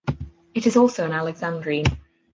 It is also an alexandrine.